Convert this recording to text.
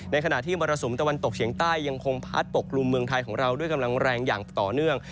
ขณะที่มรสุมตะวันตกเฉียงใต้ยังคงพัดปกกลุ่มเมืองไทยของเราด้วยกำลังแรงอย่างต่อเนื่อง